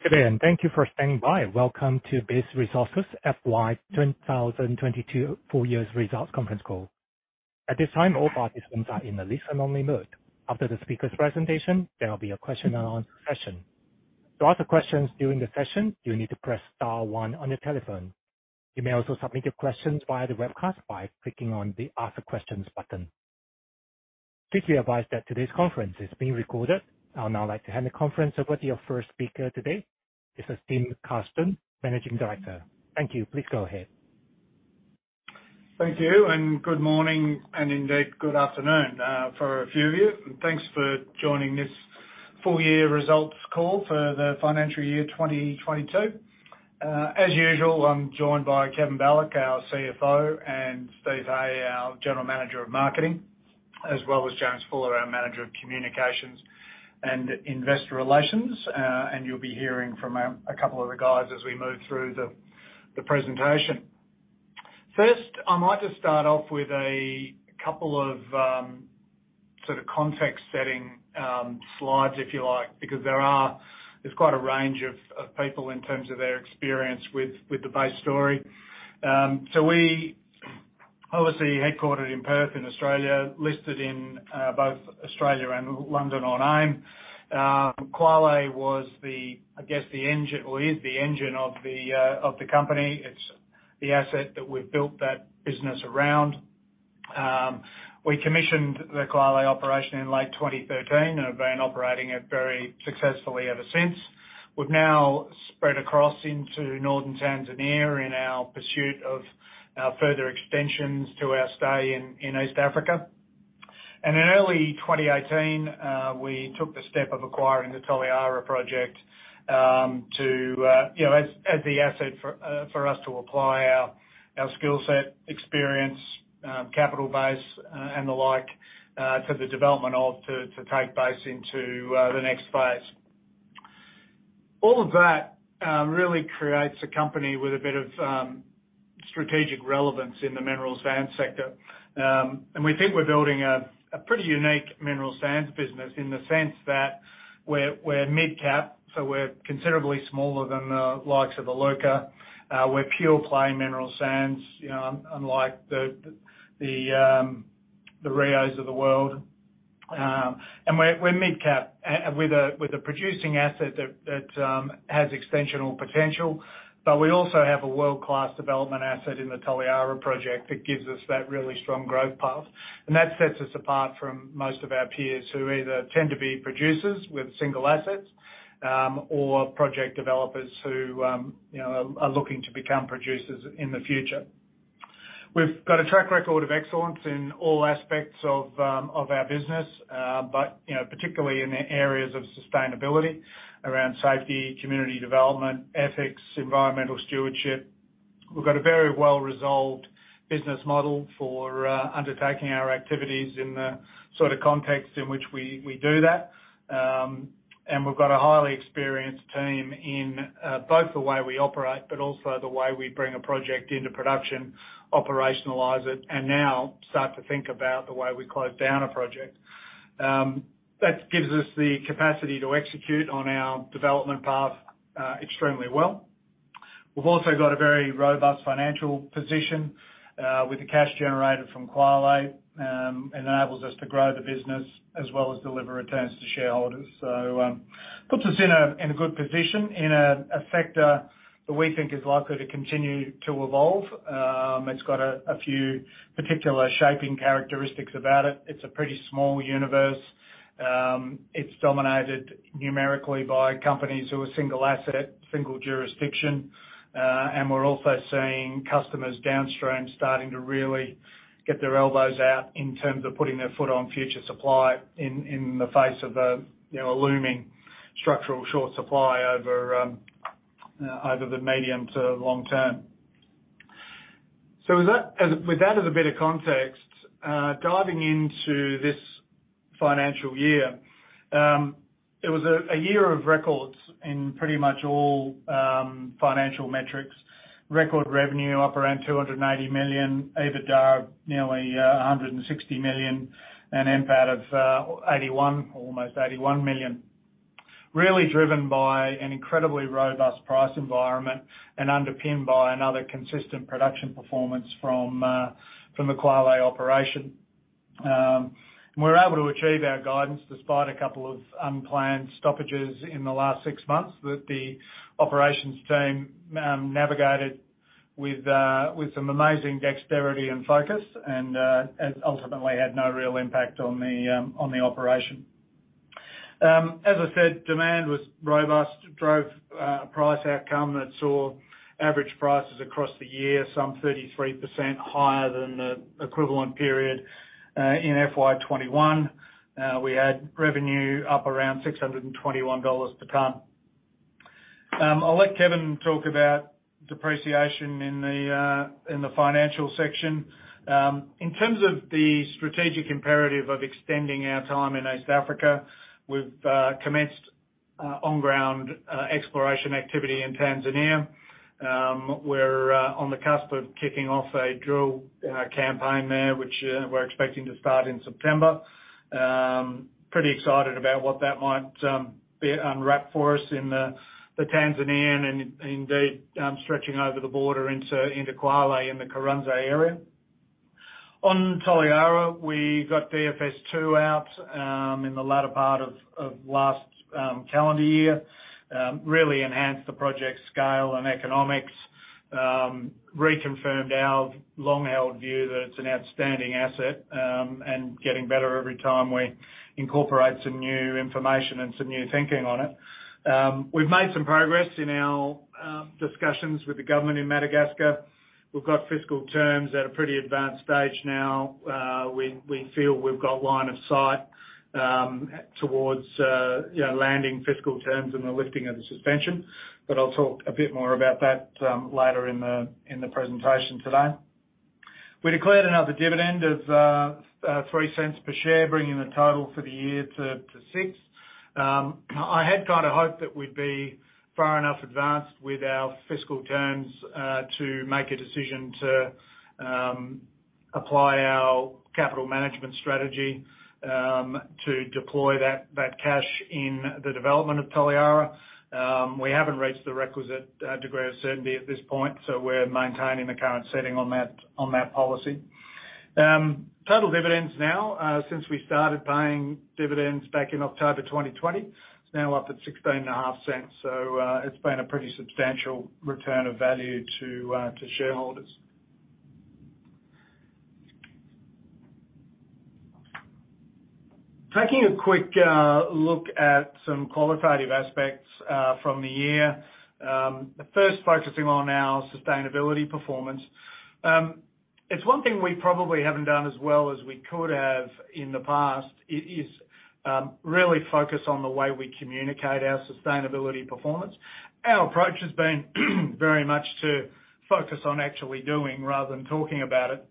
Good day, and thank you for standing by. Welcome to Base Resources FY 2022 full year results conference call. At this time, all participants are in a listen only mode. After the speaker presentation, there will be a Q&A session. To ask questions during the session, you need to press star one on your telephone. You may also submit your questions via the webcast by clicking on the Ask Questions button. Please be advised that today's conference is being recorded. I'll now like to hand the conference over to your first speaker today. Mr. Tim Carstens, Managing Director. Thank you. Please go ahead. Thank you, and good morning, and indeed, good afternoon, for a few of you. Thanks for joining this full year results call for the financial year 2022. As usual, I'm joined by Kevin Balloch, our CFO, and Steve Hay, our General Manager of Marketing, as well as James Fuller, our Manager of Communications and Investor Relations. You'll be hearing from a couple of the guys as we move through the presentation. First, I might just start off with a couple of sort of context-setting slides, if you like, because there's quite a range of people in terms of their experience with the Base story. We obviously headquartered in Perth, in Australia, listed in both Australia and London on AIM. Kwale was, I guess, the engine or is the engine of the company. It's the asset that we've built that business around. We commissioned the Kwale operation in late 2013 and have been operating it very successfully ever since. We've now spread across into northern Tanzania in our pursuit of our further extensions to our stay in East Africa. In early 2018, we took the step of acquiring the Toliara project, you know, as the asset for us to apply our skill set, experience, capital base, and the like, to the development to take Base into the next phase. All of that really creates a company with a bit of strategic relevance in the mineral sands sector. We think we're building a pretty unique mineral sands business in the sense that we're midcap, so we're considerably smaller than the likes of Iluka. We're pure play mineral sands, you know, unlike the Rio Tinto of the world. We're midcap with a producing asset that has extensional potential. But we also have a world-class development asset in the Toliara project that gives us that really strong growth path. That sets us apart from most of our peers, who either tend to be producers with single assets, or project developers who are looking to become producers in the future. We've got a track record of excellence in all aspects of our business, but, you know, particularly in the areas of sustainability around safety, community development, ethics, environmental stewardship. We've got a very well-resolved business model for undertaking our activities in the sort of context in which we do that. We've got a highly experienced team in both the way we operate, but also the way we bring a project into production, operationalize it, and now start to think about the way we close down a project. That gives us the capacity to execute on our development path extremely well. We've also got a very robust financial position with the cash generated from Kwale enables us to grow the business as well as deliver returns to shareholders. Puts us in a good position in a sector that we think is likely to continue to evolve. It's got a few particular shaping characteristics about it. It's a pretty small universe. It's dominated numerically by companies who are single asset, single jurisdiction. We're also seeing customers downstream starting to really get their elbows out in terms of putting their foot on future supply in the face of a you know a looming structural short supply over the medium to long term. As with that as a bit of context, diving into this financial year, it was a year of records in pretty much all financial metrics. Record revenue up around 280 million, EBITDA of nearly 160 million, and NPAT of 81, almost 81 million. Really driven by an incredibly robust price environment and underpinned by another consistent production performance from the Kwale operation. We're able to achieve our guidance despite a couple of unplanned stoppages in the last six months that the operations team navigated with some amazing dexterity and focus and ultimately had no real impact on the operation. As I said, demand was robust, drove price outcome that saw average prices across the year some 33% higher than the equivalent period in FY 2021. We had revenue up around 621 dollars per ton. I'll let Kevin talk about depreciation in the financial section. In terms of the strategic imperative of extending our time in East Africa, we've commenced on-ground exploration activity in Tanzania. We're on the cusp of kicking off a drill campaign there, which we're expecting to start in September. Pretty excited about what that might unwrap for us in Tanzania and indeed stretching over the border into Kwale in the Kuranze area. On Toliara, we got PFS2 out in the latter part of last calendar year. Really enhanced the project scale and economics. Reconfirmed our long-held view that it's an outstanding asset and getting better every time we incorporate some new information and some new thinking on it. We've made some progress in our discussions with the government in Madagascar. We've got fiscal terms at a pretty advanced stage now. We feel we've got line of sight towards you know, landing fiscal terms and the lifting of the suspension. I'll talk a bit more about that later in the presentation today. We declared another dividend of 0.03 per share, bringing the total for the year to 0.06. I had kind of hoped that we'd be far enough advanced with our fiscal terms to make a decision to apply our capital management strategy to deploy that cash in the development of Toliara. We haven't reached the requisite degree of certainty at this point, so we're maintaining the current setting on that policy. Total dividends now, since we started paying dividends back in October 2020, it's now up at 0.165. It's been a pretty substantial return of value to shareholders. Taking a quick look at some qualitative aspects from the year. First focusing on our sustainability performance. It's one thing we probably haven't done as well as we could have in the past is really focus on the way we communicate our sustainability performance. Our approach has been very much to focus on actually doing rather than talking about it.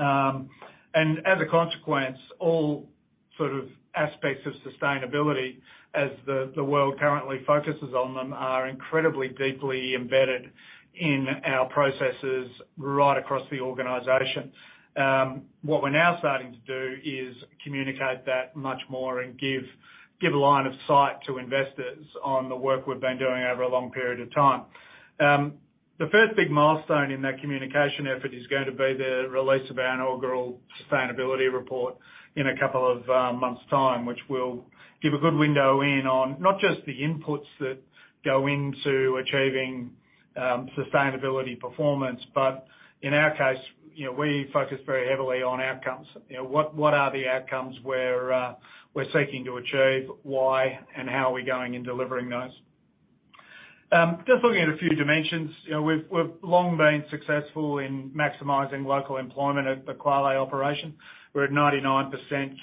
As a consequence, all sort of aspects of sustainability, as the world currently focuses on them, are incredibly deeply embedded in our processes right across the organization. What we're now starting to do is communicate that much more and give line of sight to investors on the work we've been doing over a long period of time. The first big milestone in that communication effort is going to be the release of our inaugural sustainability report in a couple of months' time, which will give a good window into not just the inputs that go into achieving sustainability performance, but in our case, you know, we focus very heavily on outcomes. You know, what are the outcomes we're seeking to achieve? Why and how are we going about delivering those? Just looking at a few dimensions, you know, we've long been successful in maximizing local employment at the Kwale Operations. We're at 99%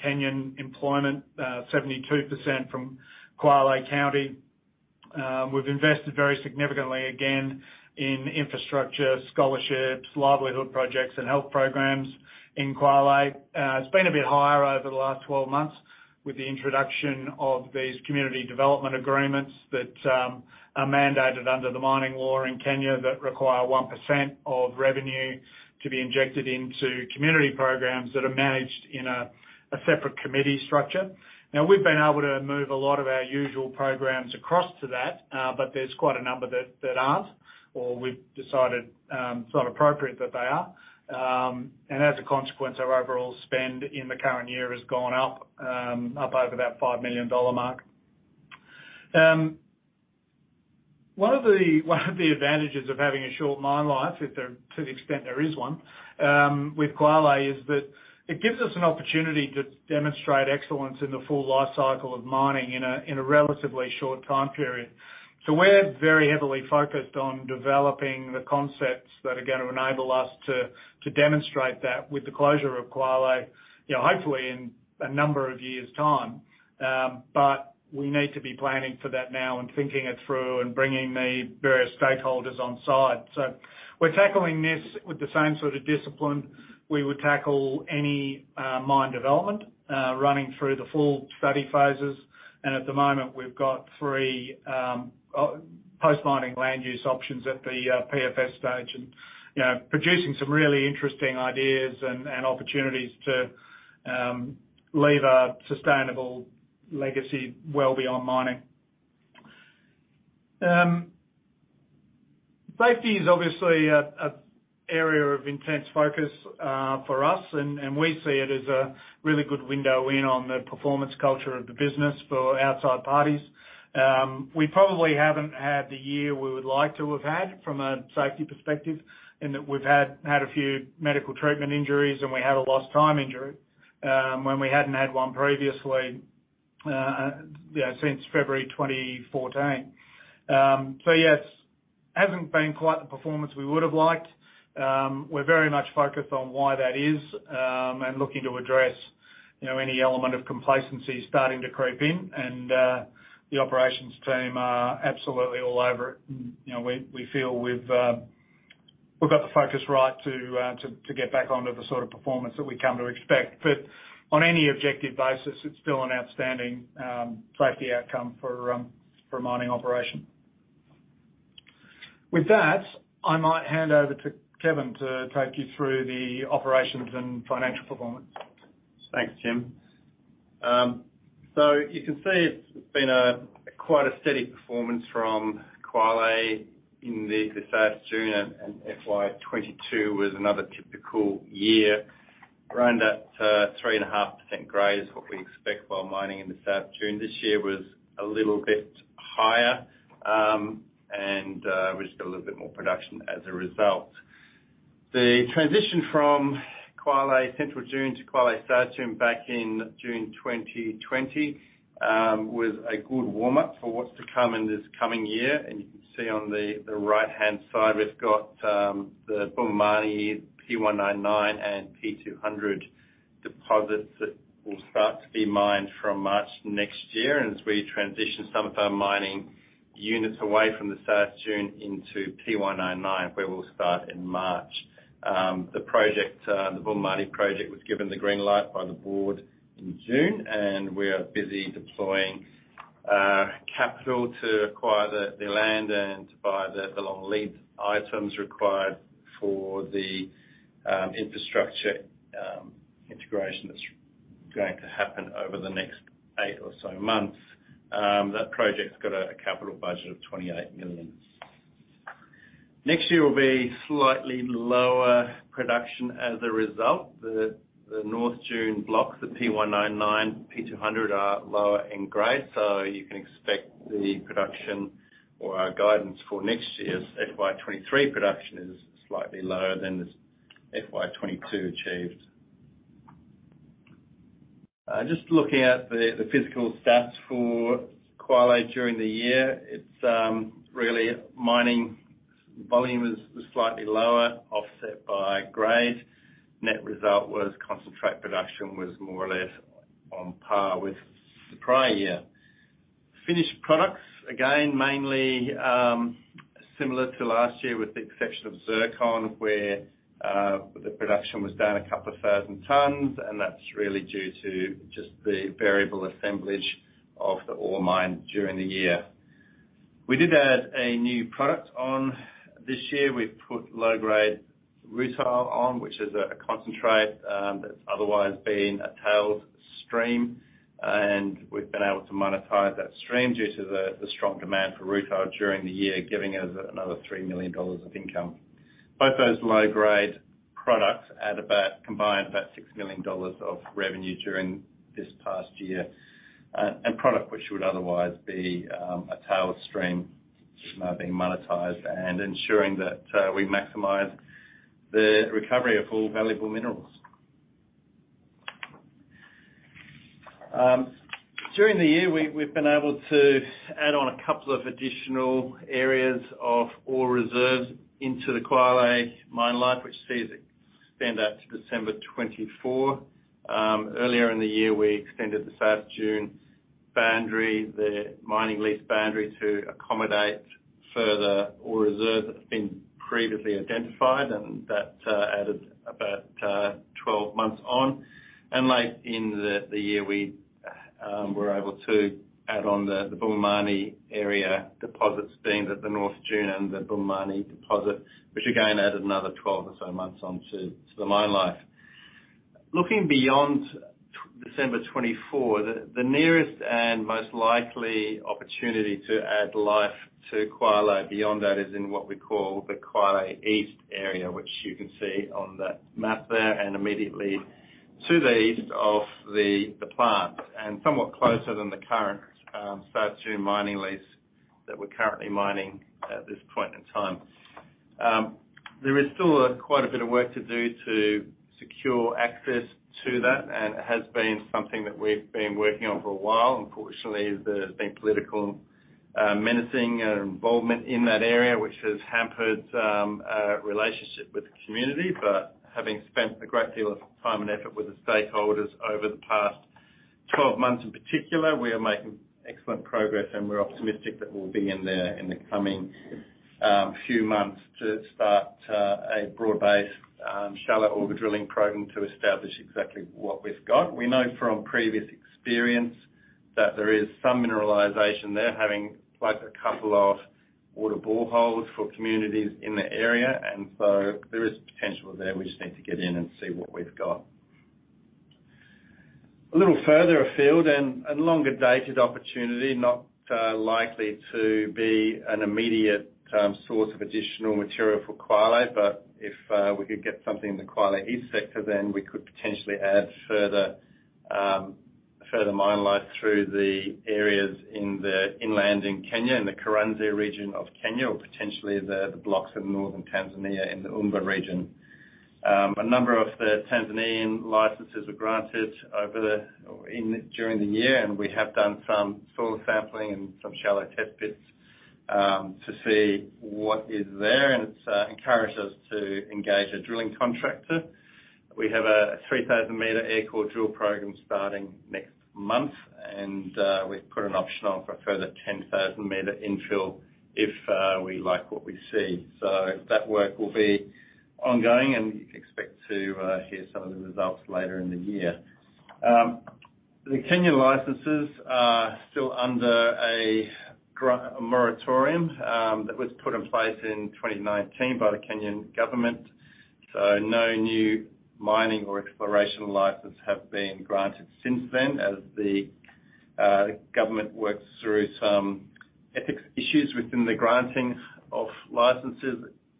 Kenyan employment, 72% from Kwale County. We've invested very significantly, again, in infrastructure, scholarships, livelihood projects, and health programs in Kwale. It's been a bit higher over the last 12 months with the introduction of these Community Development Agreements that are mandated under the Mining Act in Kenya that require 1% of revenue to be injected into community programs that are managed in a separate committee structure. Now, we've been able to move a lot of our usual programs across to that, but there's quite a number that aren't, or we've decided it's not appropriate that they are. As a consequence, our overall spend in the current year has gone up over that 5 million dollar mark. One of the advantages of having a short mine life, to the extent there is one, with Kwale, is that it gives us an opportunity to demonstrate excellence in the full life cycle of mining in a relatively short time period. We're very heavily focused on developing the concepts that are gonna enable us to demonstrate that with the closure of Kwale, you know, hopefully in a number of years' time. We need to be planning for that now and thinking it through and bringing the various stakeholders on side. We're tackling this with the same sort of discipline we would tackle any mine development, running through the full study phases. At the moment, we've got three post-mining land use options at the PFS stage and, you know, producing some really interesting ideas and opportunities to leave a sustainable legacy well beyond mining. Safety is obviously an area of intense focus for us, and we see it as a really good window in on the performance culture of the business for outside parties. We probably haven't had the year we would like to have had from a safety perspective in that we've had a few medical treatment injuries, and we had a lost time injury when we hadn't had one previously, you know, since February 2014. Yes, hasn't been quite the performance we would have liked. We're very much focused on why that is, and looking to address, you know, any element of complacency starting to creep in. The operations team are absolutely all over it. You know, we feel we've got the focus right to get back onto the sort of performance that we come to expect. On any objective basis, it's still an outstanding safety outcome for a mining operation. With that, I might hand over to Kevin to take you through the operations and financial performance. Thanks, Tim. So you can see it's been quite a steady performance from Kwale in the South Dune and FY 2022 was another typical year. Around that 3.5% grade is what we expect while mining in the South Dune. This year was a little bit higher and we just got a little bit more production as a result. The transition from Kwale Central Dune to Kwale South Dune back in June 2020 was a good warm-up for what's to come in this coming year. You can see on the right-hand side, we've got the Bumamani P-199 and P-200 deposits that will start to be mined from March next year. As we transition some of our mining units away from the South Dune into P-199, where we'll start in March. The Bumamani project was given the green light by the board in June. We are busy deploying capital to acquire the land and to buy the long lead items required for the infrastructure integration that's going to happen over the next 8 or so months. That project's got a capital budget of 28 million. Next year will be slightly lower production as a result. The North Dune block, the P-199, P-200 are lower in grade. You can expect the production or our guidance for next year's FY 2023 production is slightly lower than the FY 2022 achieved. Just looking at the physical stats for Kwale during the year. It's really mining volume is slightly lower, offset by grade. Net result was concentrate production was more or less on par with the prior year. Finished products, again, mainly similar to last year with the exception of zircon, where the production was down 2,000 tons, and that's really due to just the variable assemblage of the ore mined during the year. We did add a new product on this year. We've put low-grade rutile on, which is a concentrate that's otherwise been a tailings stream. We've been able to monetize that stream due to the strong demand for rutile during the year, giving us another 3 million dollars of income. Both those low-grade products add about, combined about 6 million dollars of revenue during this past year. Products which would otherwise be a tailings stream being monetized and ensuring that we maximize the recovery of all valuable minerals. During the year, we've been able to add on a couple of additional areas of ore reserves into the Kwale mine life, which sees it extend out to December 2024. Earlier in the year, we extended the South Dune boundary, the mining lease boundary, to accommodate further ore reserve that had been previously identified, and that added about 12 months on. Late in the year, we were able to add on the Bumamani area deposits, being at the North Dune and the Bumamani deposit, which again added another 12 or so months on to the mine life. Looking beyond December 2024, the nearest and most likely opportunity to add life to Kwale beyond that is in what we call the Kwale East area, which you can see on that map there, and immediately to the east of the plant. Somewhat closer than the current South Dune mining lease that we're currently mining at this point in time. There is still quite a bit of work to do to secure access to that, and it has been something that we've been working on for a while. Unfortunately, there has been political menacing involvement in that area, which has hampered our relationship with the community. Having spent a great deal of time and effort with the stakeholders over the past 12 months in particular, we are making excellent progress and we're optimistic that we'll be in there in the coming few months to start a broad-based shallow ore drilling program to establish exactly what we've got. We know from previous experience that there is some mineralization there, having plugged a couple of water boreholes for communities in the area. There is potential there. We just need to get in and see what we've got. A little further afield and a longer-dated opportunity, not likely to be an immediate source of additional material for Kwale. If we could get something in the Kwale East sector, then we could potentially add further mine life through the areas in the inland in Kenya, in the Kuranze region of Kenya, or potentially the blocks in northern Tanzania in the Umba region. A number of the Tanzanian licenses were granted during the year, and we have done some soil sampling and some shallow test pits to see what is there. It's encouraged us to engage a drilling contractor. We have a 3,00 m air core drill program starting next month. We've put an option on for a further 10,000 m infill if we like what we see. That work will be ongoing, and you can expect to hear some of the results later in the year. The Kenyan licenses are still under a moratorium that was put in place in 2019 by the Kenyan government. No new mining or exploration licenses have been granted since then as the government works through some ethics issues within the granting of licenses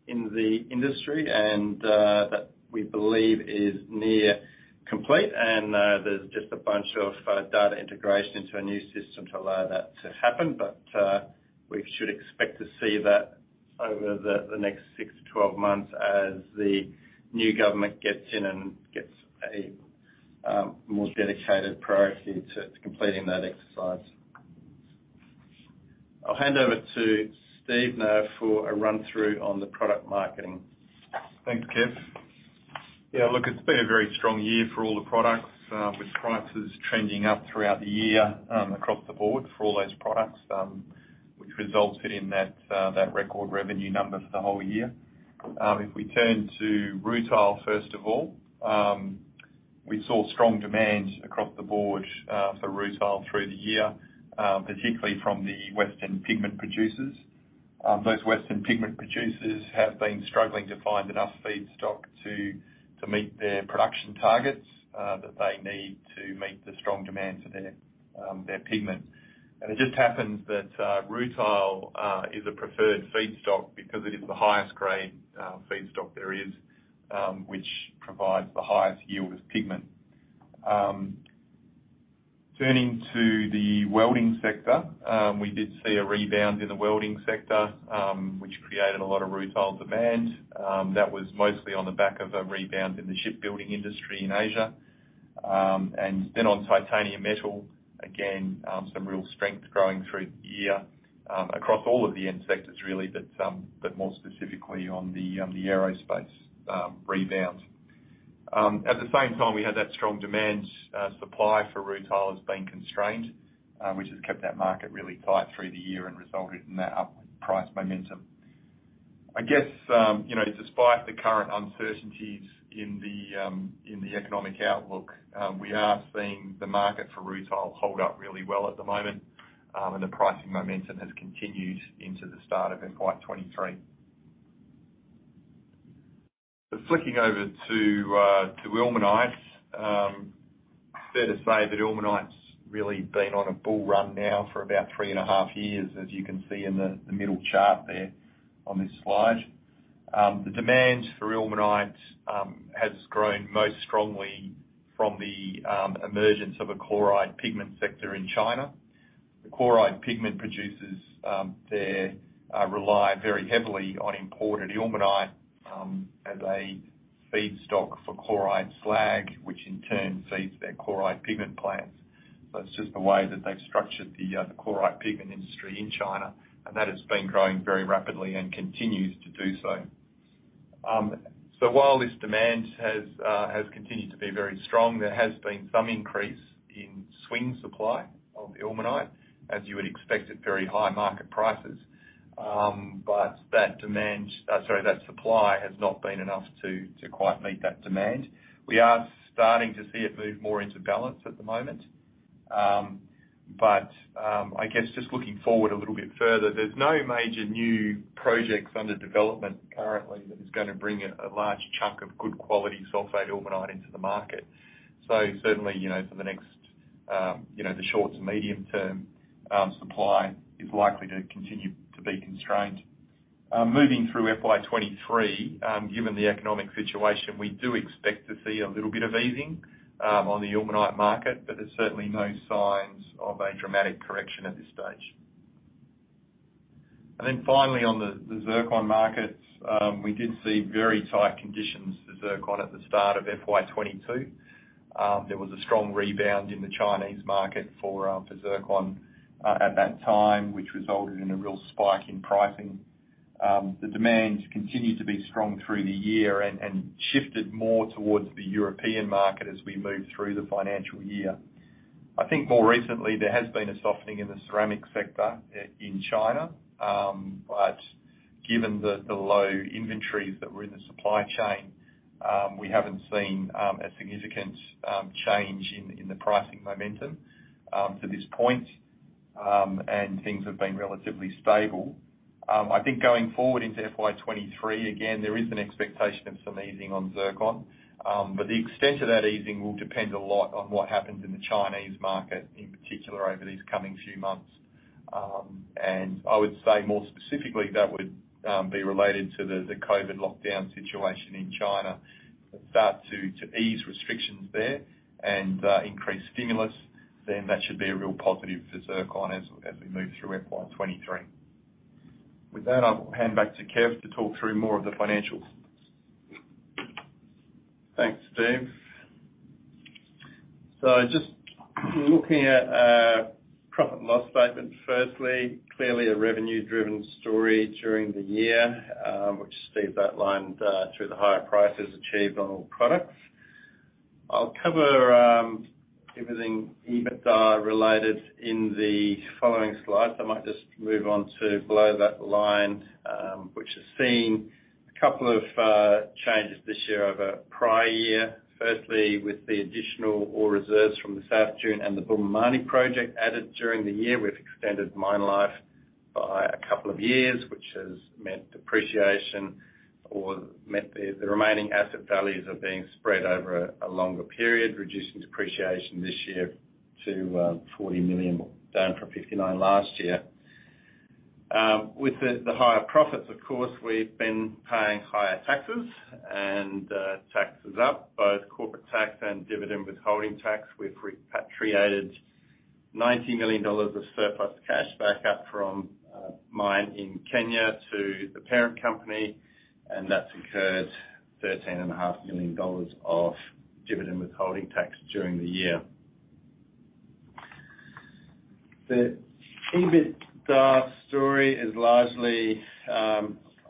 in the industry and that we believe is near complete. There's just a bunch of data integration into a new system to allow that to happen. We should expect to see that over the next six-12 months as the new government gets in and gets a more dedicated priority to completing that exercise. I'll hand over to Steve Hay now for a run-through on the product marketing. Thanks, Kev. Yeah, look, it's been a very strong year for all the products, with prices trending up throughout the year, across the board for all those products, which resulted in that record revenue number for the whole year. If we turn to Rutile, first of all, we saw strong demand across the board for Rutile through the year, particularly from the western pigment producers. Those western pigment producers have been struggling to find enough feedstock to meet their production targets that they need to meet the strong demand for their pigment. It just happens that Rutile is a preferred feedstock because it is the highest grade feedstock there is, which provides the highest yield as pigment. Turning to the welding sector, we did see a rebound in the welding sector, which created a lot of Rutile demand, that was mostly on the back of a rebound in the shipbuilding industry in Asia. On titanium metal, again, some real strength growing through the year, across all of the end sectors really, but more specifically on the aerospace rebound. At the same time we had that strong demand, supply for Rutile has been constrained, which has kept that market really tight through the year and resulted in that upward price momentum. I guess, you know, despite the current uncertainties in the economic outlook, we are seeing the market for Rutile hold up really well at the moment. The pricing momentum has continued into the start of FY 2023. Flicking over to ilmenite. Fair to say that ilmenite's really been on a bull run now for about three and a half years, as you can see in the middle chart there on this slide. The demand for ilmenite has grown most strongly from the emergence of a chloride pigment sector in China. The chloride pigment producers there rely very heavily on imported ilmenite as a feedstock for chloride slag, which in turn feeds their chloride pigment plants. That's just the way that they've structured the chloride pigment industry in China, and that has been growing very rapidly and continues to do so. While this demand has continued to be very strong, there has been some increase in swing supply of ilmenite, as you would expect at very high market prices. That supply has not been enough to quite meet that demand. We are starting to see it move more into balance at the moment. I guess just looking forward a little bit further, there's no major new projects under development currently that is gonna bring a large chunk of good quality sulfate ilmenite into the market. Certainly, you know, for the next, you know, the short to medium term, supply is likely to continue to be constrained. Moving through FY 2023, given the economic situation, we do expect to see a little bit of easing on the Ilmenite market, but there's certainly no signs of a dramatic correction at this stage. Then finally on the zircon markets, we did see very tight conditions for zircon at the start of FY 2022. There was a strong rebound in the Chinese market for zircon at that time, which resulted in a real spike in pricing. The demand continued to be strong through the year and shifted more towards the European market as we moved through the financial year. I think more recently there has been a softening in the ceramic sector in China. Given the low inventories that were in the supply chain, we haven't seen a significant change in the pricing momentum to this point, and things have been relatively stable. I think going forward into FY 2023, again, there is an expectation of some easing on zircon, but the extent of that easing will depend a lot on what happens in the Chinese market, in particular over these coming few months. I would say more specifically that would be related to the COVID lockdown situation in China. Start to ease restrictions there and increase stimulus, then that should be a real positive for zircon as we move through FY 2023. With that, I'll hand back to Kev to talk through more of the financials. Thanks, Steve. Just looking at our profit and loss statement, firstly, clearly a revenue driven story during the year, which Steve's outlined, through the higher prices achieved on all products. I'll cover everything EBITDA related in the following slides. I might just move on to below that line, which is seeing a couple of changes this year over prior year. Firstly, with the additional ore reserves from the South Dune and the Bumamani project added during the year, we've extended mine life by a couple of years, which has meant the remaining asset values are being spread over a longer period, reducing depreciation this year to 40 million, down from 59 million last year. With the higher profits, of course, we've been paying higher taxes and tax is up, both corporate tax and dividend withholding tax. We've repatriated 90 million dollars of surplus cash back up from a mine in Kenya to the parent company, and that's incurred 13.5 million dollars of dividend withholding tax during the year. The EBITDA's story is largely,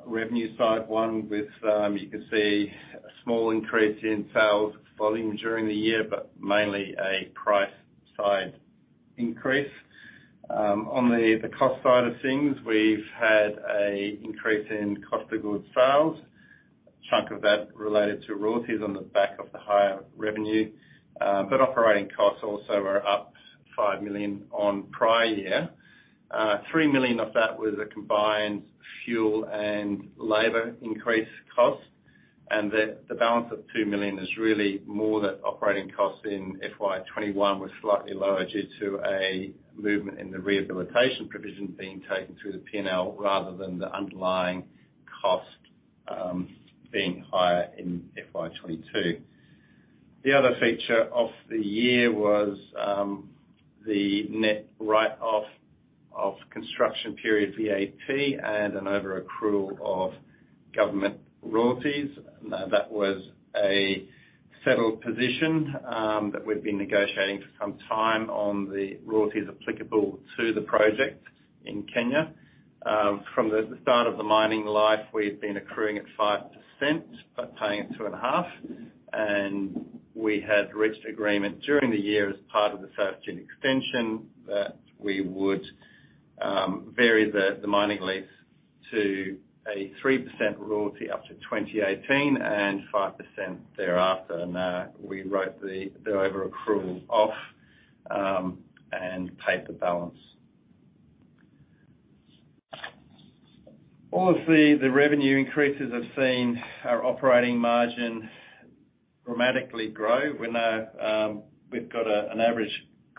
revenue side one with, you can see a small increase in sales volume during the year, but mainly a price side increase. On the cost side of things, we've had an increase in cost of goods sales, chunk of that related to royalties on the back of the higher revenue. Operating costs also are up 5 million on prior year. 3 million of that was a combined fuel and labor increase cost, and the balance of 2 million is really more that operating costs in FY21 were slightly lower due to a movement in the rehabilitation provision being taken through the P&L rather than the underlying cost being higher in FY22. The other feature of the year was the net write-off of construction period VAT and an over-accrual of government royalties. That was a settled position that we'd been negotiating for some time on the royalties applicable to the project in Kenya. From the start of the mining life, we've been accruing at 5%, but paying at 2.5%. We had reached agreement during the year as part of the South Dune extension that we would vary the mining lease to a 3% royalty up to 2018 and 5% thereafter. We wrote the over-accrual off and paid the balance. All of the revenue increases have seen our operating margin dramatically grow. We're now we've got an average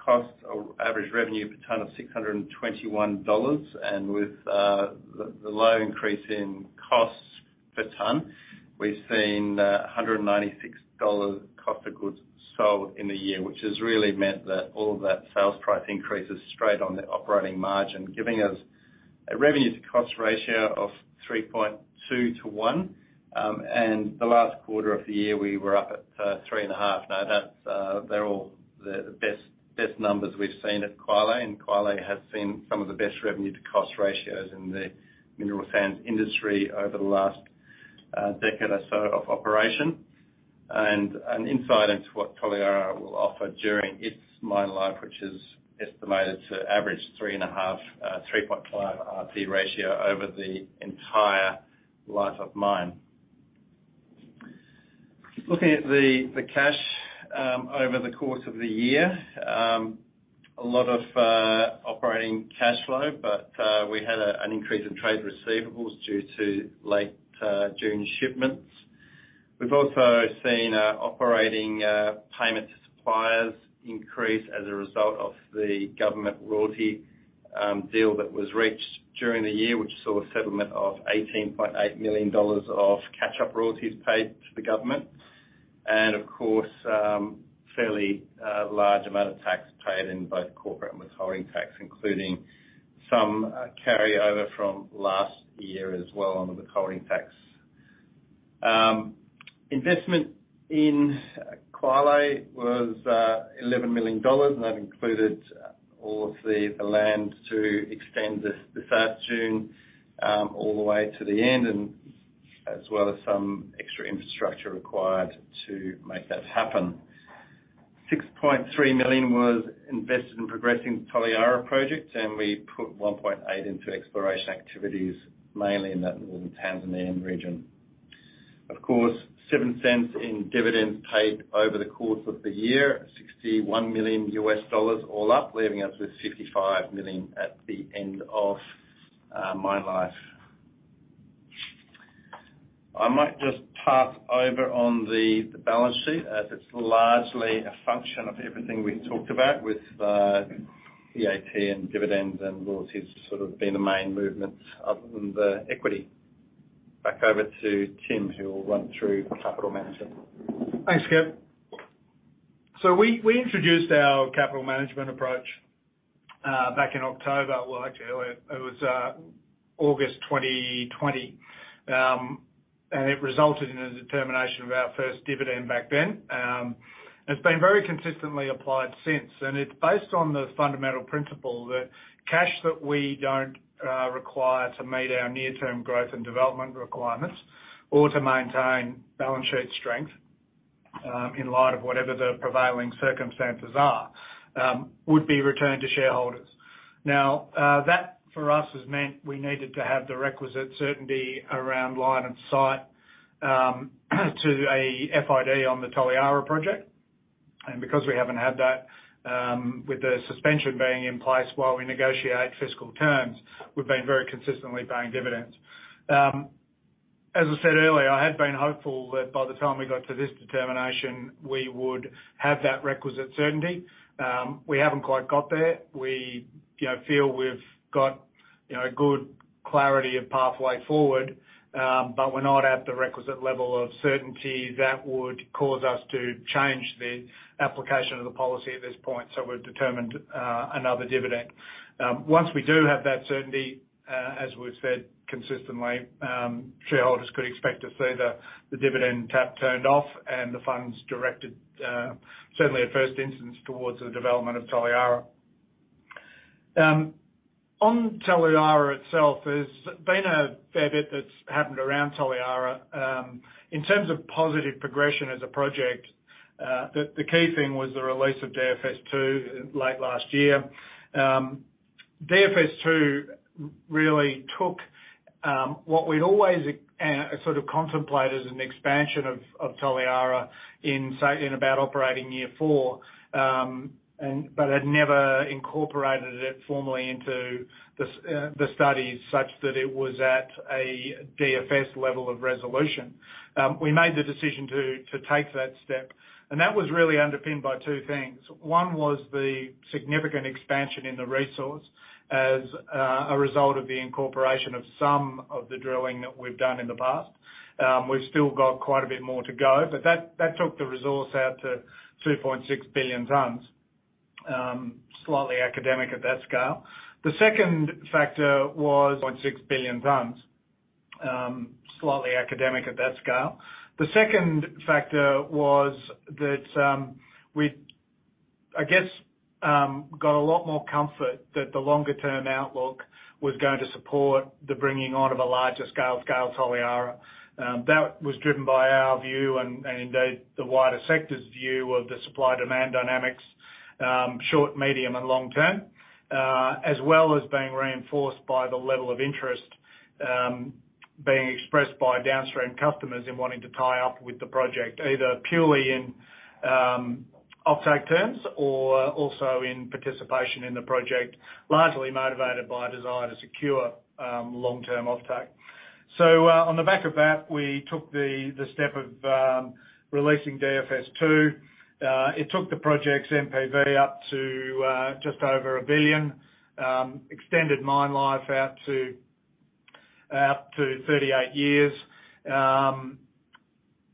cost or average revenue per ton of 621 dollars. With the low increase in costs per ton, we've seen a 196 dollars cost of goods sold in the year, which has really meant that all of that sales price increase is straight on the operating margin, giving us a revenue to cost ratio of 3.2 to 1. In the last quarter of the year, we were up at 3.5. Now that's the best numbers we've seen at Kwale, and Kwale has seen some of the best revenue to cost ratios in the mineral sands industry over the last decade or so of operation. An insight into what Toliara will offer during its mine life, which is estimated to average 3.5 R/C ratio over the entire life of mine. Looking at the cash over the course of the year, a lot of operating cash flow, but we had an increase in trade receivables due to late June shipments. We've also seen operating payments to suppliers increase as a result of the government royalty deal that was reached during the year, which saw a settlement of 18.8 million dollars of catch-up royalties paid to the government. Of course, fairly large amount of tax paid in both corporate and withholding tax, including some carryover from last year as well on the withholding tax. Investment in Kwale was 11 million dollars, and that included all of the land to extend the South Dune all the way to the end, and as well as some extra infrastructure required to make that happen. $6.3 million was invested in progressing the Toliara project, and we put 1.8 million into exploration activities, mainly in that northern Tanzanian region. Of course, 0.07 In dividends paid over the course of the year. $61 million all up, leaving us with $55 million at the end of mine life. I might just pass over on the balance sheet as it's largely a function of everything we've talked about with VAT and dividends and royalties sort of being the main movements other than the equity. Back over to Tim, who will run through capital management. Thanks, Kevin. We introduced our capital management approach back in October. Well, actually earlier. It was August 2020. And it resulted in a determination of our first dividend back then. It's been very consistently applied since, and it's based on the fundamental principle that cash that we don't require to meet our near-term growth and development requirements or to maintain balance sheet strength, in light of whatever the prevailing circumstances are, would be returned to shareholders. Now, that for us has meant we needed to have the requisite certainty around line of sight to a FID on the Toliara project. Because we haven't had that, with the suspension being in place while we negotiate fiscal terms, we've been very consistently paying dividends. As I said earlier, I had been hopeful that by the time we got to this determination, we would have that requisite certainty. We haven't quite got there. We, you know, feel we've got, you know, good clarity of pathway forward, but we're not at the requisite level of certainty that would cause us to change the application of the policy at this point, so we've determined another dividend. Once we do have that certainty, as we've said consistently, shareholders could expect to see the dividend tap turned off and the funds directed, certainly at first instance, towards the development of Toliara. On Toliara itself, there's been a fair bit that's happened around Toliara. In terms of positive progression as a project, the key thing was the release of DFS2 late last year. DFS2 really took what we'd always sort of contemplated as an expansion of Toliara in about operating year four, but had never incorporated it formally into the studies such that it was at a DFS level of resolution. We made the decision to take that step, and that was really underpinned by two things. One was the significant expansion in the resource as a result of the incorporation of some of the drilling that we've done in the past. We've still got quite a bit more to go, but that took the resource out to 2.6 billion tons. Slightly academic at that scale. The second factor was 0.6 billion tons. Slightly academic at that scale. The second factor was that, I guess, we got a lot more comfort that the longer term outlook was going to support the bringing on of a larger scale of Toliara. That was driven by our view and the wider sector's view of the supply-demand dynamics, short, medium, and long term, as well as being reinforced by the level of interest being expressed by downstream customers in wanting to tie up with the project, either purely in offtake terms or also in participation in the project, largely motivated by a desire to secure long-term offtake. On the back of that, we took the step of releasing DFS2. It took the project's NPV up to just over 1 billion, extended mine life out to 38 years.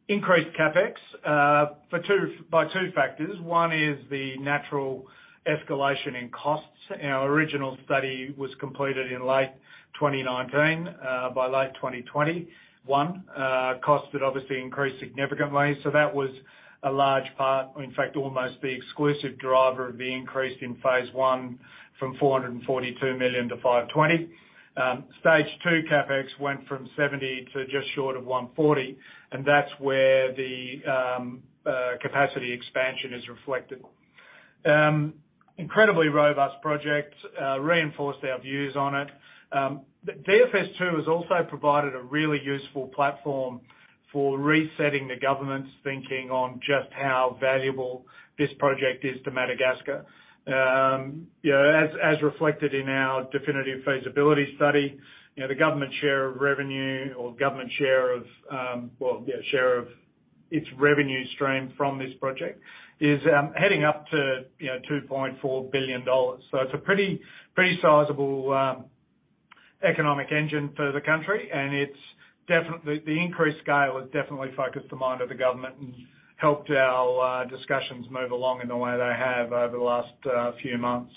Increased CapEx by two factors. One is the natural escalation in costs. Our original study was completed in late 2019, by late 2021. Costs had obviously increased significantly. That was a large part, in fact, almost the exclusive driver of the increase in phase I from 442 million-520 million. Stage 2 CapEx went from 70 million to just short of 140 million, and that's where the capacity expansion is reflected. Incredibly robust project reinforced our views on it. DFS Two has also provided a really useful platform for resetting the government's thinking on just how valuable this project is to Madagascar. You know, as reflected in our definitive feasibility study, you know, the government share of its revenue stream from this project is heading up to 2.4 billion dollars. It's a pretty sizable economic engine for the country, and it's definitely the increased scale has definitely focused the mind of the government and helped our discussions move along in the way they have over the last few months.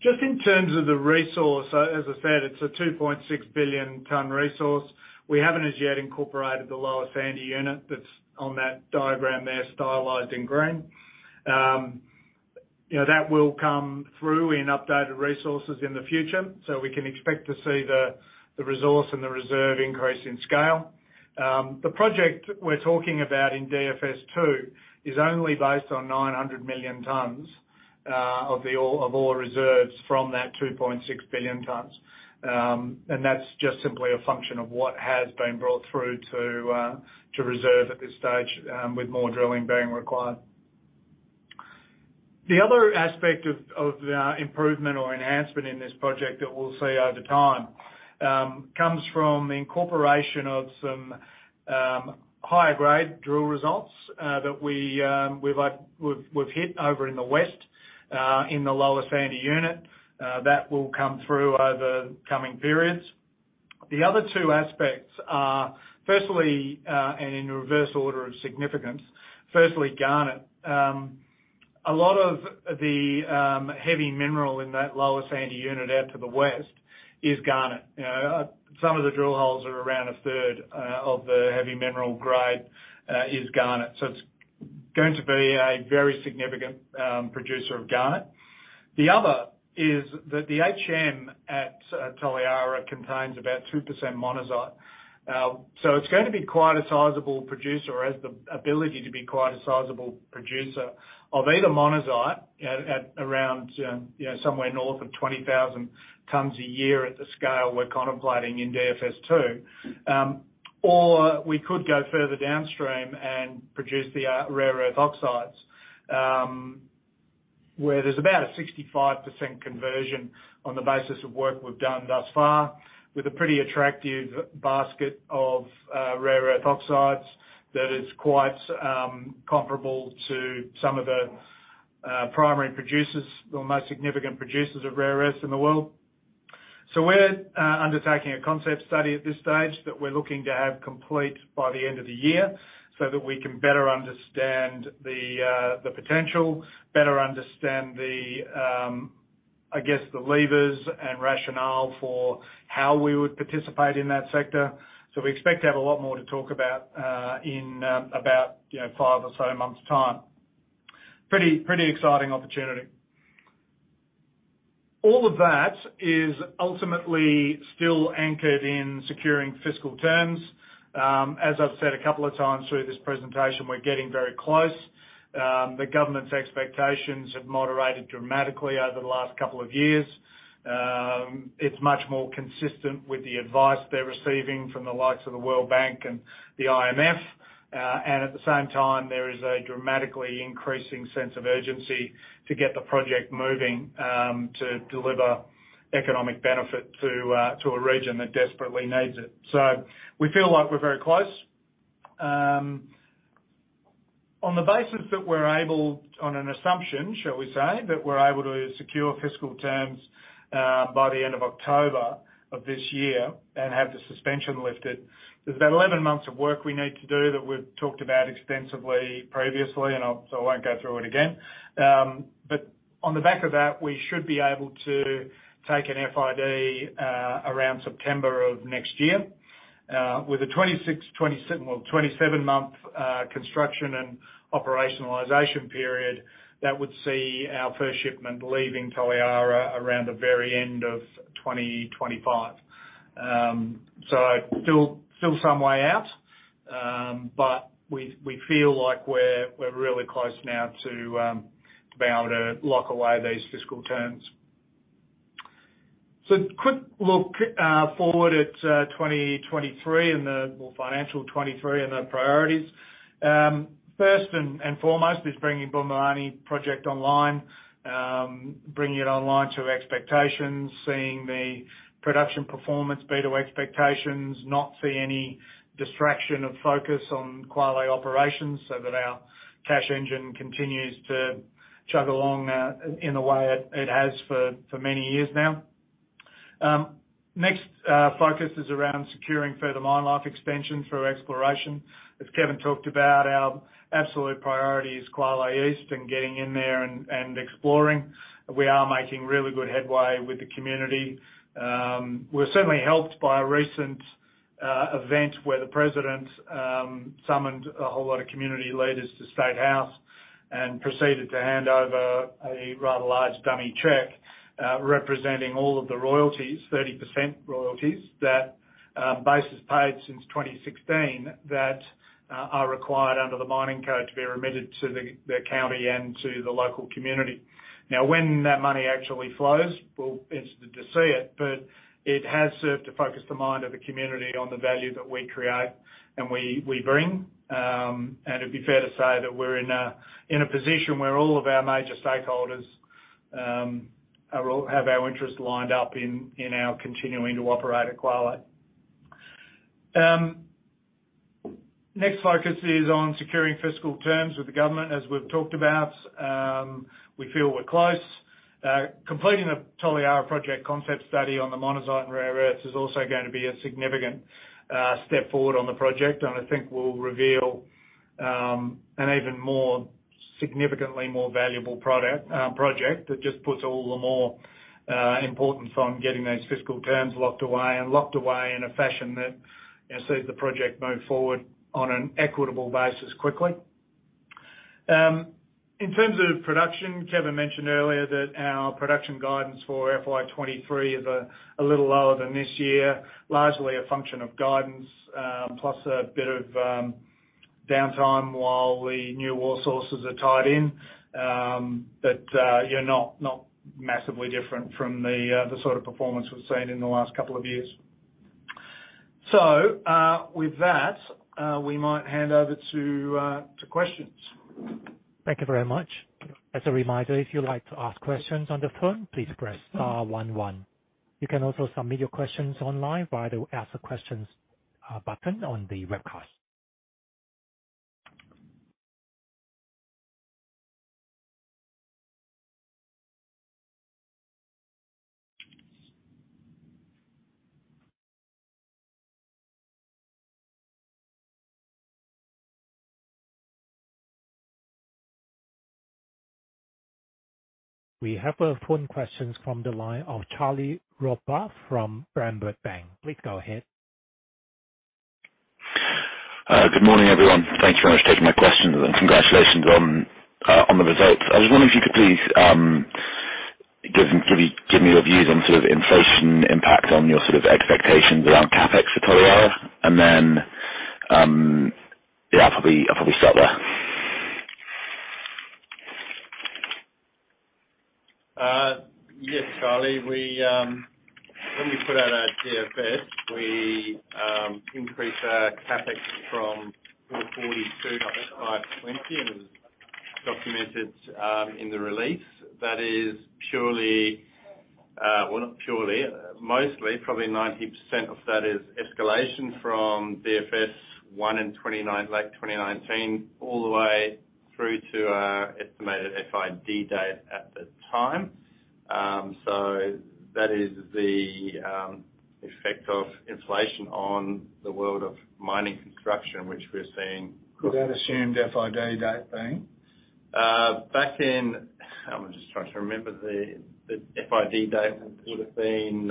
Just in terms of the resource, as I said, it's a 2.6 billion ton resource. We haven't as yet incorporated the lower sandy unit that's on that diagram there, stylized in green. You know, that will come through in updated resources in the future, so we can expect to see the resource and the reserve increase in scale. The project we're talking about in DFS 2 is only based on 900 million tons of ore reserves from that 2.6 billion tons. That's just simply a function of what has been brought through to reserve at this stage, with more drilling being required. The other aspect of the improvement or enhancement in this project that we'll see over time comes from the incorporation of some higher grade drill results that we've hit over in the west, in the lower sandy unit. That will come through over coming periods. The other two aspects are, firstly, and in reverse order of significance, firstly, garnet. A lot of the heavy mineral in that lower sandy unit out to the west is garnet. You know, some of the drill holes are around a third of the heavy mineral grade is garnet. So it's going to be a very significant producer of garnet. The other is that the HM at Toliara contains about 2% monazite. So it's going to be quite a sizable producer, or has the ability to be quite a sizable producer of either monazite at around, you know, somewhere north of 20,000 tons a year at the scale we're contemplating in DFS2. We could go further downstream and produce the rare earth oxides, where there's about a 65% conversion on the basis of work we've done thus far, with a pretty attractive basket of rare earth oxides that is quite comparable to some of the primary producers or most significant producers of rare earths in the world. We're undertaking a concept study at this stage that we're looking to have complete by the end of the year so that we can better understand the potential, better understand the levers and rationale for how we would participate in that sector. We expect to have a lot more to talk about in about, you know, five or so months time. Pretty exciting opportunity. All of that is ultimately still anchored in securing fiscal terms. As I've said a couple of times through this presentation, we're getting very close. The government's expectations have moderated dramatically over the last couple of years. It's much more consistent with the advice they're receiving from the likes of the World Bank and the IMF. At the same time, there is a dramatically increasing sense of urgency to get the project moving, to deliver economic benefit to a region that desperately needs it. We feel like we're very close. On the basis that we're able, on an assumption, shall we say, that we're able to secure fiscal terms by the end of October of this year and have the suspension lifted, there's about 11 months of work we need to do that we've talked about extensively previously, I won't go through it again. On the back of that, we should be able to take an FID around September of next year. With a 27-month construction and operationalization period that would see our first shipment leaving Toliara around the very end of 2025. Still some way out. We feel like we're really close now to be able to lock away these fiscal terms. Quick look forward at financial 2023 and the priorities. First and foremost is bringing Bumamani project online. Bringing it online to expectations, seeing the production performance be to expectations, not see any distraction of focus on Kwale Operations so that our cash engine continues to chug along in the way it has for many years now. Next, focus is around securing further mine life expansion through exploration. As Kevin talked about, our absolute priority is Kwale East and getting in there and exploring. We are making really good headway with the community. We're certainly helped by a recent event where the president summoned a whole lot of community leaders to State House and proceeded to hand over a rather large dummy check representing all of the royalties, 30% royalties that Base has paid since 2016 that are required under the mining code to be remitted to the county and to the local community. Now, when that money actually flows, we're interested to see it. But it has served to focus the mind of the community on the value that we create and we bring. It'd be fair to say that we're in a position where all of our major stakeholders all have our interests lined up in our continuing to operate at Kwale. Next focus is on securing fiscal terms with the government, as we've talked about. We feel we're close. Completing the Toliara Project concept study on the monazite and rare earths is also going to be a significant step forward on the project. I think we'll reveal an even more significantly valuable project that just puts all the more importance on getting those fiscal terms locked away in a fashion that, you know, sees the project move forward on an equitable basis quickly. In terms of production, Kevin mentioned earlier that our production guidance for FY 2023 is a little lower than this year, largely a function of guidance, plus a bit of downtime while the new ore sources are tied in. You know, not massively different from the sort of performance we've seen in the last couple of years. With that, we might hand over to questions. Thank you very much. As a reminder, if you'd like to ask questions on the phone, please press star one one. You can also submit your questions online via the Ask a Question button on the webcast. We have a phone question from the line of Charlie Robba from Berenberg Bank. Please go ahead. Good morning, everyone. Thank you very much for taking my questions, and congratulations on the results. I was wondering if you could please give me your views on sort of inflation impact on your sort of expectations around CapEx for Toliara. I'll probably start there. Yes, Charlie. When we put out our DFS, we increased our CapEx from 442-520, and it was documented in the release. That is purely, well, not purely, mostly, probably 90% of that is escalation from DFS1 in 2019, late 2019 all the way through to our estimated FID date at the time. That is the effect of inflation on the world of mining construction, which we're seeing. Could that assumed FID date then? I'm just trying to remember the FID date. It would've been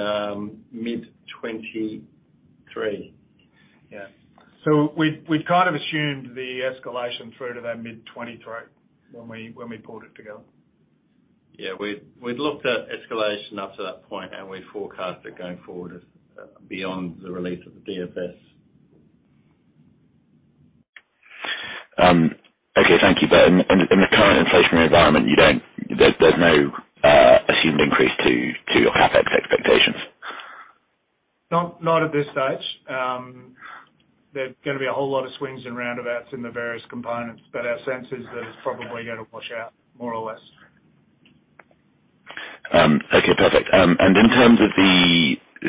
mid 2023. Yeah. We've kind of assumed the escalation through to that mid 2023 when we pulled it together. Yeah. We'd looked at escalation up to that point and we forecast it going forward as beyond the release of the DFS. Okay, thank you. In the current inflationary environment, there's no assumed increase to your CapEx expectations? Not at this stage. There're gonna be a whole lot of swings and roundabouts in the various components. Our sense is that it's probably gonna wash out more or less. Okay, perfect. You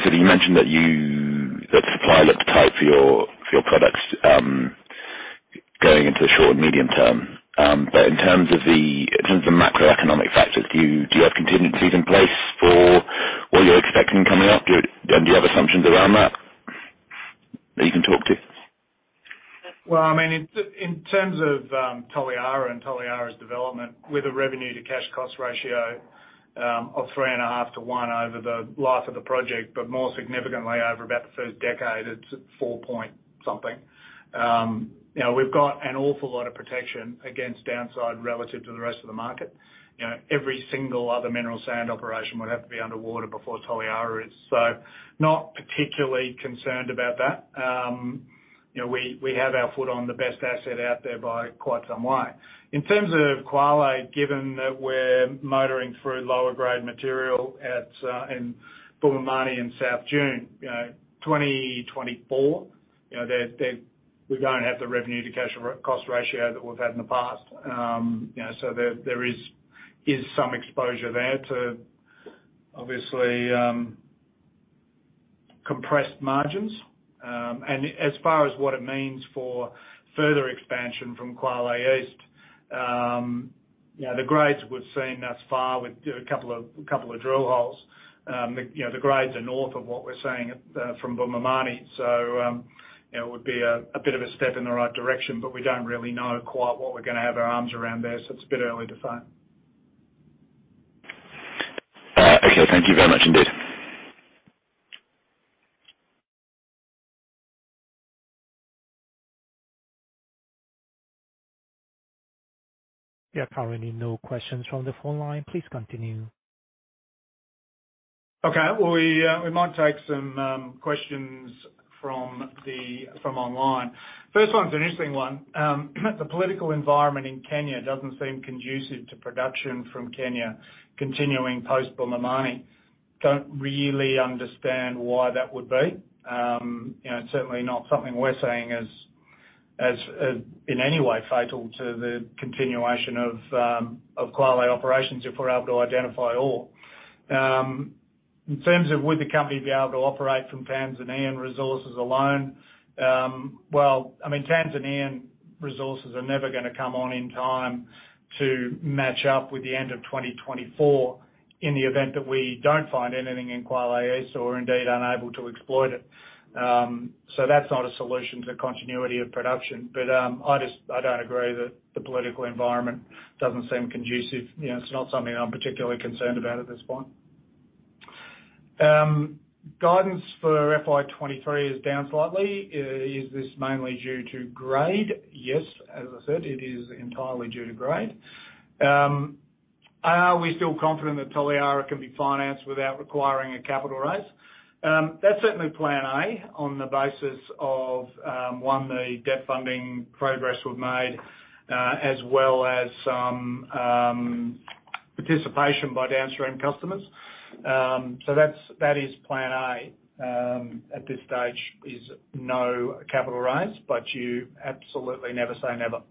mentioned that supply looked tight for your products, going into the short and medium term. In terms of the macroeconomic factors, do you have contingencies in place for what you're expecting coming up? Do you have assumptions around that that you can talk to? Well, I mean, in terms of Toliara and Toliara's development, with a revenue to cash cost ratio of 3.5 to 1 over the life of the project, but more significantly over about the first decade, it's four point something. You know, we've got an awful lot of protection against downside relative to the rest of the market. You know, every single other mineral sands operation would have to be underwater before Toliara is. Not particularly concerned about that. You know, we have our foot on the best asset out there by quite some way. In terms of Kwale, given that we're motoring through lower grade material at in Bumamani in South Dune, you know, 2024, you know, there we don't have the revenue to cash cost ratio that we've had in the past. You know, there is some exposure there to obviously compressed margins. As far as what it means for further expansion from Kwale East, you know, the grades we've seen thus far with a couple of drill holes, you know, the grades are north of what we're seeing from Bumamani. You know, it would be a bit of a step in the right direction, but we don't really know quite what we're gonna have our arms around there, so it's a bit early to tell. Okay, thank you very much indeed. There are currently no questions from the phone line. Please continue. Okay. Well, we might take some questions from online. First one's an interesting one. The political environment in Kenya doesn't seem conducive to production from Kenya continuing post-Bumamani. Don't really understand why that would be. You know, it's certainly not something we're seeing as in any way fatal to the continuation of Kwale Operations if we're able to identify ore. In terms of would the company be able to operate from Tanzanian resources alone, well, I mean, Tanzanian resources are never gonna come on in time to match up with the end of 2024 in the event that we don't find anything in Kwale East or are indeed unable to exploit it. That's not a solution to continuity of production. I don't agree that the political environment doesn't seem conducive. You know, it's not something I'm particularly concerned about at this point. Guidance for FY 23 is down slightly. Is this mainly due to grade? Yes, as I said, it is entirely due to grade. Are we still confident that Toliara can be financed without requiring a capital raise? That's certainly plan A on the basis of, one, the debt funding progress we've made, as well as some participation by downstream customers. So that's that is plan A. At this stage is no capital raise, but you absolutely never say never.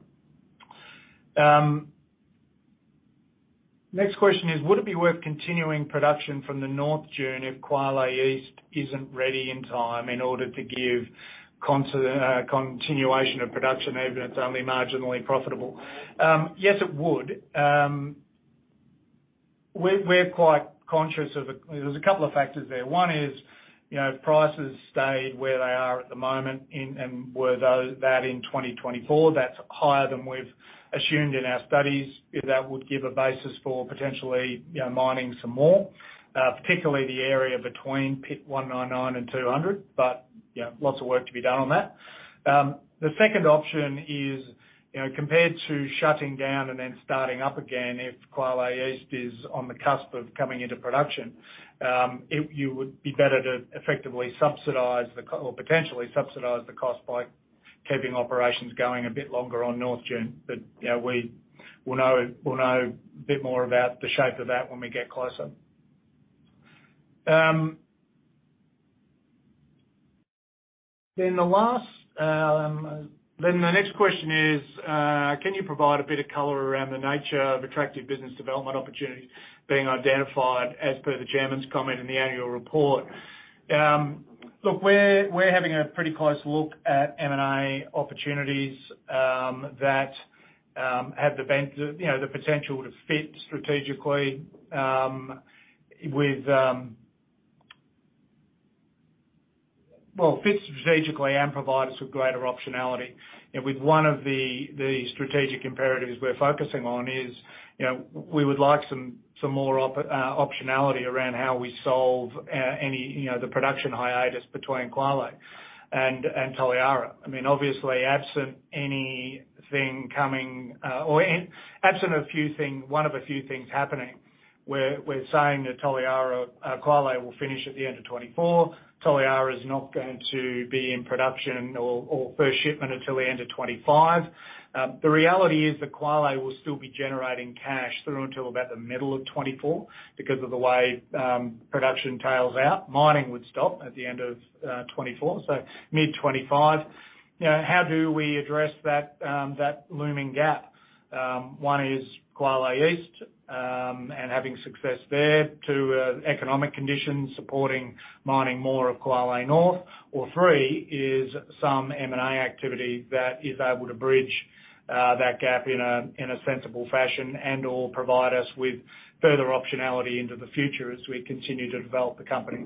Next question is, would it be worth continuing production from the North Dune if Kwale East isn't ready in time in order to give continuation of production even if it's only marginally profitable? Yes, it would. We're quite conscious of a There's a couple of factors there. One is, you know, prices stay where they are at the moment in 2024, that's higher than we've assumed in our studies, if that would give a basis for potentially, you know, mining some more, particularly the area between pit 199 and 200. But, you know, lots of work to be done on that. The second option is, you know, compared to shutting down and then starting up again, if Kwale East is on the cusp of coming into production, you would be better to effectively subsidize or potentially subsidize the cost by keeping operations going a bit longer on North Dune. But, you know, we will know, we'll know a bit more about the shape of that when we get closer. The next question is, can you provide a bit of color around the nature of attractive business development opportunities being identified as per the chairman's comment in the annual report? Look, we're having a pretty close look at M&A opportunities that have the, you know, the potential to fit strategically with. Well, fit strategically and provide us with greater optionality. With one of the strategic imperatives we're focusing on is, you know, we would like some more optionality around how we solve any, you know, the production hiatus between Kwale and Toliara. I mean, obviously absent one of a few things happening, we're saying that Toliara, Kwale will finish at the end of 2024. Toliara is not going to be in production or first shipment until the end of 2025. The reality is that Kwale will still be generating cash through until about the middle of 2024 because of the way production tails out. Mining would stop at the end of 2024, so mid-2025. You know, how do we address that looming gap? One is Kwale East and having success there. Two, economic conditions supporting mining more of Kwale North. Three is some M&A activity that is able to bridge that gap in a sensible fashion and/or provide us with further optionality into the future as we continue to develop the company.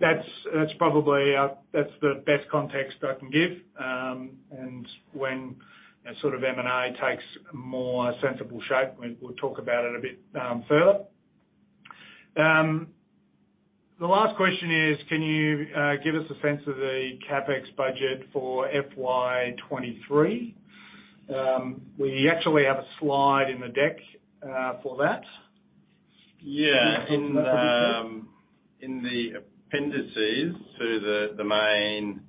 That's probably the best context I can give. When that sort of M&A takes more sensible shape, we'll talk about it a bit further. The last question is, can you give us a sense of the CapEx budget for FY 2023? We actually have a slide in the deck for that. Yeah. In the appendices to the main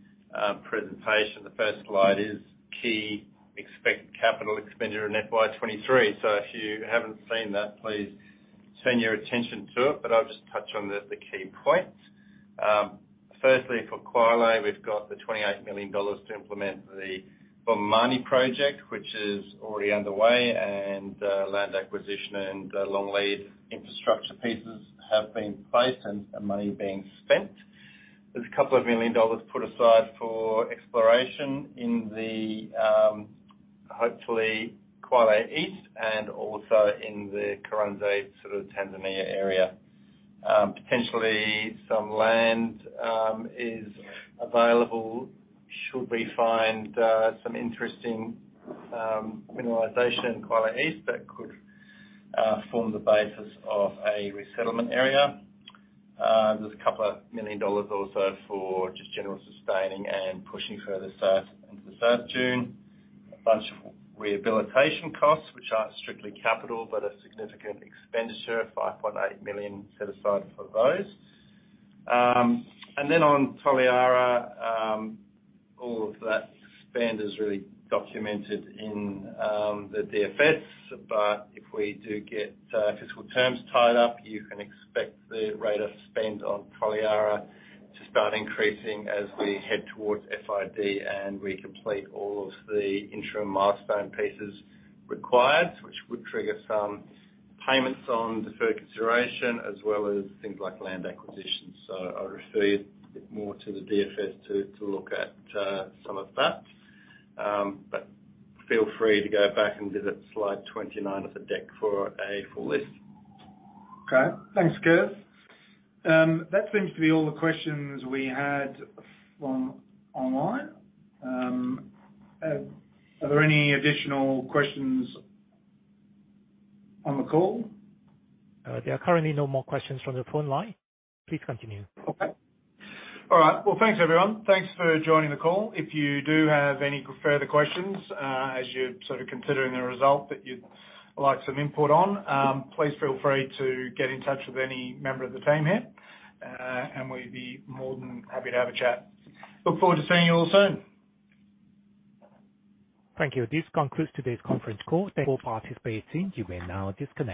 presentation, the first slide is key expected capital expenditure in FY 2023. If you haven't seen that, please turn your attention to it, but I'll just touch on the key points. Firstly, for Kwale, we've got 28 million dollars to implement the Bumamani project, which is already underway, and land acquisition and long lead infrastructure pieces have been placed and money being spent. There's a couple of 1 million dollars put aside for exploration in, hopefully, Kwale East and also in the Kuranze area in Kenya. Potentially some land is available should we find some interesting mineralization in Kwale East that could form the basis of a resettlement area. There's a couple of million dollars also for just general sustaining and pushing further south into the South Dune. A bunch of rehabilitation costs which aren't strictly capital, but a significant expenditure, 5.8 million set aside for those. On Toliara, all of that spend is really documented in the DFS. If we do get physical terms tied up, you can expect the rate of spend on Toliara to start increasing as we head towards FID, and we complete all of the interim milestone pieces required, which would trigger some payments on deferred consideration as well as things like land acquisition. I would refer you a bit more to the DFS to look at some of that. Feel free to go back and visit slide 29 of the deck for a full list. Okay. Thanks, Kev. That seems to be all the questions we had from online. Are there any additional questions on the call? There are currently no more questions from the phone line. Please continue. Okay. All right. Well, thanks everyone. Thanks for joining the call. If you do have any further questions, as you're sort of considering the result that you'd like some input on, please feel free to get in touch with any member of the team here, and we'd be more than happy to have a chat. Look forward to seeing you all soon. Thank you. This concludes today's conference call. Thank you for participating. You may now disconnect.